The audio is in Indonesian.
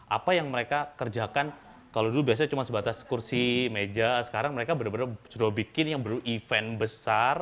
apa yang mereka kerjakan kalau dulu biasanya cuma sebatas kursi meja sekarang mereka benar benar sudah bikin yang ber event besar